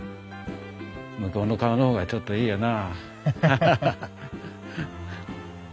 向こうの顔の方がちょっといいよなあ。